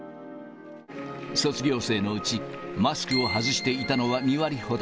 卒業生のうち、マスクを外していたのは２割ほど。